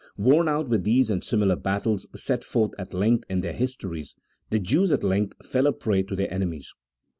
Worn out with these and similar battles set forth at length in their histories, the Jews at length fell a prey to their enemies.